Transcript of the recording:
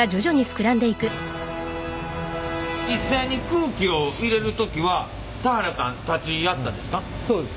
実際に空気を入れる時は田原さん立ち会ったんですか？